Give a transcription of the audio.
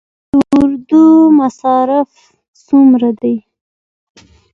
د اردو مصارف څومره دي؟